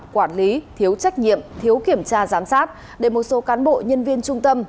quản lý thiếu trách nhiệm thiếu kiểm tra giám sát để một số cán bộ nhân viên trung tâm